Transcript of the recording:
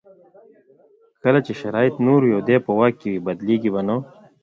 کله چې شرایط نور وي او دی په واک کې وي بدلېږي به نه.